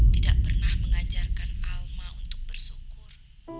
tidak pernah mengajarkan alma untuk bersyukur